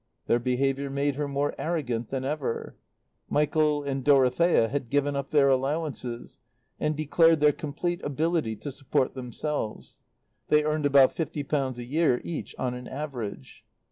Their behaviour made her more arrogant than ever. Michael and Dorothea had given up their allowances and declared their complete ability to support themselves. (They earned about fifty pounds a year each on an average.)